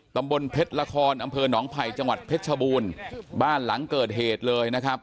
ตำบลเพชรละครอำเภอหนองไผ่จังหวัดเพชรชบูรณ์บ้านหลังเกิดเหตุเลยนะครับ